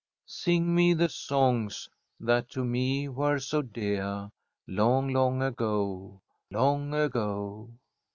"'Sing me the songs that to me were so deah, Long, long ago, long ago!'"